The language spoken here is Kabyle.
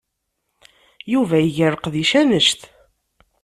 Yuba iga leqdic annect.